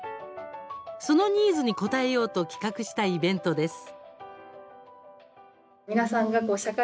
そのニーズに応えようと企画したイベントです。